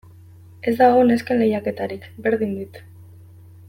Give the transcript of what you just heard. Ez dago nesken lehiaketarik, berdin dit.